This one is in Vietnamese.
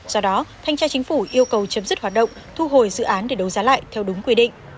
do đó thanh tra chính phủ yêu cầu chấm dứt hoạt động thu hồi dự án để đấu giá lại theo đúng quy định